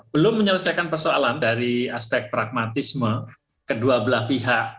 belum menyelesaikan persoalan dari aspek pragmatisme kedua belah pihak